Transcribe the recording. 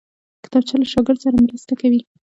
کتابچه له شاګرد سره مرسته کوي